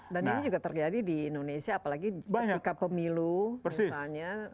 dan ini juga terjadi di indonesia apalagi ketika pemilu misalnya